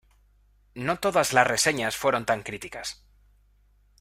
No todas las reseñas fueron tan críticas.